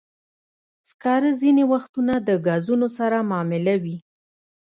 سکاره ځینې وختونه د ګازونو سره مله وي.